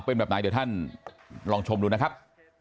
เป็นแบบไหนเดี๋ยวท่านลองชมดูนะครับ